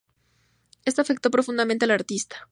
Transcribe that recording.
Esto afectó profundamente al artista.